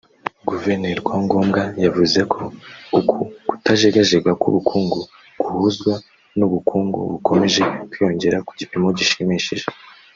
Guverineri Rwangombwa yavuze ko uku kutajegajega k’ubukungu guhuzwa n’ubukungu bukomeje kwiyongera ku gipimo gishimishije